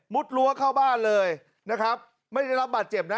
รั้วเข้าบ้านเลยนะครับไม่ได้รับบาดเจ็บนะ